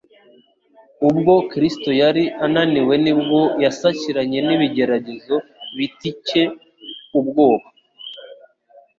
Ubwo Kristo yari ananiwe ni bwo yasakiranye n'ibigeragezo bitcye ubwoba.